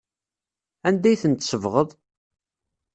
Anda ay ten-tsebɣeḍ?